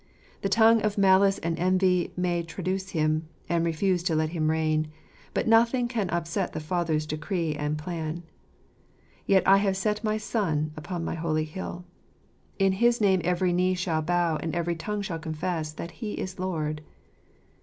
The tongue of malice and envy may traduce Him, and refuse to let Him reign. But nothing can upset the Father's decree and plan. "Yet have I set my Son upon my holy hill." " In his name every knee shall bow, and every tongue shall confess that He is Lord."